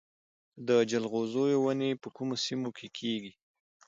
د جلغوزیو ونې په کومو سیمو کې کیږي؟